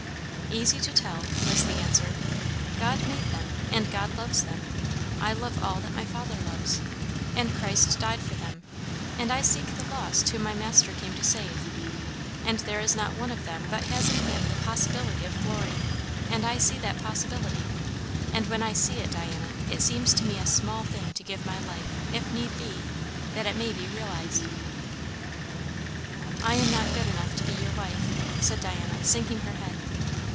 "Easy to tell," was the answer. "God made them, and God loves them; I love all that my Father loves. And Christ died for them; and I seek the lost whom my Master came to save. And there is not one of them but has in him the possibility of glory; and I see that possibility, and when I see it, Diana, it seems to me a small thing to give my life, if need be, that it may be realized." "I am not good enough to be your wife!" said Diana, sinking her head.